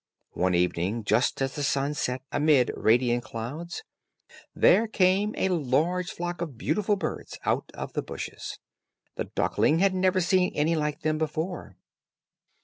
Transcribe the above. One evening, just as the sun set amid radiant clouds, there came a large flock of beautiful birds out of the bushes. The duckling had never seen any like them before.